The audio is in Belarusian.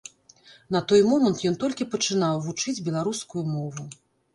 На той момант ён толькі пачынаў вучыць беларускую мову.